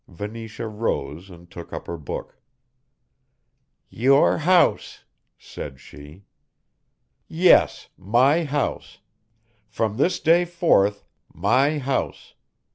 Venetia rose and took up her book. "Your house," said she. "Yes, my house. From this day forth, my house.